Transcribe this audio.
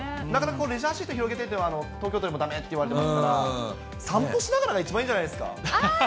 なかなかレジャーシート広げてとかは東京都でもだめっていわれてますから、散歩しながらが一番いいんじゃないですか。